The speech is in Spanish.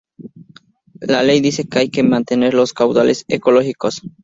La Ley dice que hay que mantener los caudales ecológicos